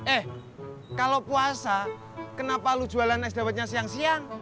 eh kalau puasa kenapa lo jualan es dawetnya siang siang